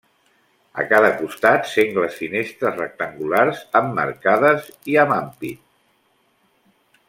A cada costat sengles finestres rectangulars emmarcades i amb ampit.